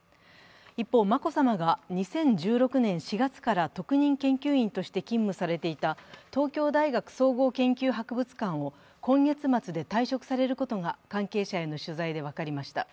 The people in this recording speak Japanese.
一方、眞子さまが２０１６年４月から特任研究員として勤務されていた東京大学総合研究博物館を今月末で退職されることが関係者への取材で分かりました。